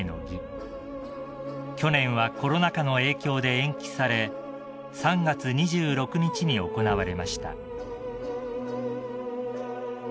［去年はコロナ禍の影響で延期され３月２６日に行われました］